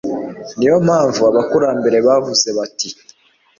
niyo mpamvu abakurambere bavuze bati